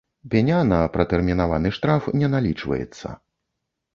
Пеня на пратэрмінаваны штраф не налічваецца.